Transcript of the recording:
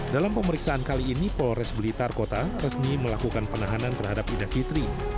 dalam pemeriksaan kali ini polres blitar kota resmi melakukan penahanan terhadap ida fitri